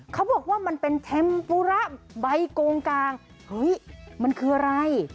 เขาบอกว่ามันเป็นเทมปุระใบโกงกลางเฮ้ยมันคืออะไร